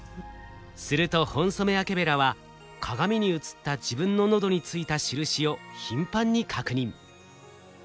するとホンソメワケベラは鏡に映った自分の喉についた印を頻繁に確認。